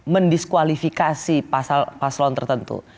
mendiskualifikasi paslon tertentu